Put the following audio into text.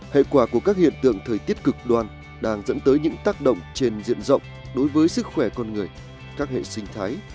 hệ quả của các hiện tượng thời tiết cực đoan đang dẫn tới những tác động trên diện rộng đối với sức khỏe con người các hệ sinh thái